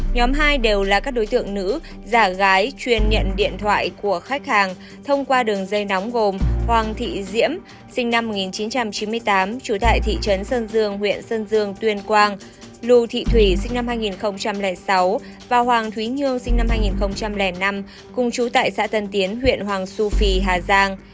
nhóm hai đều là các đối tượng nữ giả gái chuyên nhận điện thoại của khách hàng thông qua đường dây nóng gồm hoàng thị diễm sinh năm một nghìn chín trăm chín mươi tám trú tại thị trấn sơn dương huyện sơn dương tuyên quang lù thị thủy sinh năm hai nghìn sáu và hoàng thúy nhương sinh năm hai nghìn năm cùng trú tại xã tân tiến huyện hoàng su phi hà giang